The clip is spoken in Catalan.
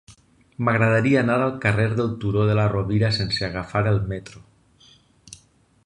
M'agradaria anar al carrer del Turó de la Rovira sense agafar el metro.